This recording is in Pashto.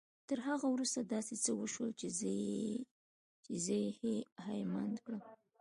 تر هغه وروسته داسې څه وشول چې زه يې هيλε مند کړم.